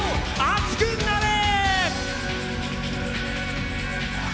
「熱くなれ」！